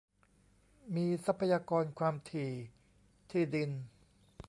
มีทรัพยากร ความถี่ ที่ดิน